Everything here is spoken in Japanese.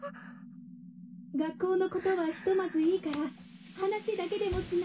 ・学校のことはひとまずいいから話だけでもしない？